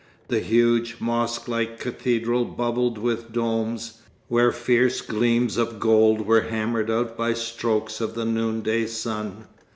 The huge, mosque like cathedral bubbled with domes, where fierce gleams of gold were hammered out by strokes of the noonday sun.